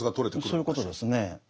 そういうことですね。